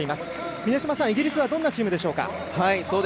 峰島さん、イギリスはどんなチームでしょうか。